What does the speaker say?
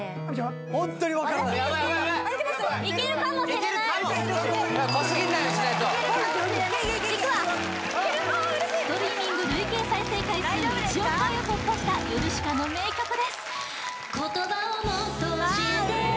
ホントに分からないいけるかもしれないストリーミング累計再生回数１億回を突破したヨルシカの名曲ですああ